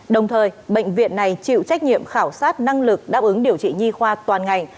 đồng thời bệnh viện này chịu trách nhiệm khảo sát năng lực đáp ứng điều trị nhi khoa toàn ngành